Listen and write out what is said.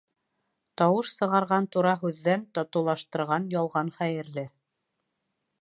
Тауыш сығарған тура һүҙҙән татыулаштырған ялған хәйерле.